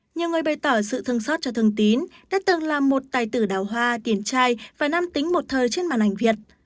nhiều người bày tỏ sự thương xót cho thương tín đã từng là một tài tử đào hoa tiền trai và nam tính một thời trên màn ảnh việt